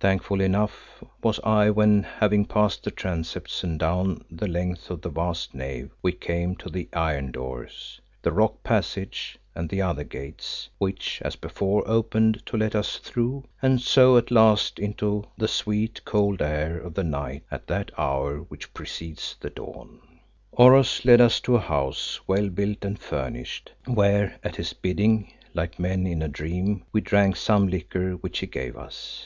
Thankful enough was I when, having passed the transepts and down the length of the vast nave, we came to the iron doors, the rock passage, and the outer gates, which, as before, opened to let us through, and so at last into the sweet, cold air of the night at that hour which precedes the dawn. Oros led us to a house well built and furnished, where at his bidding, like men in a dream, we drank of some liquor which he gave us.